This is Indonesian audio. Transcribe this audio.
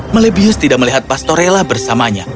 melebius tidak melihat pastorella bersamanya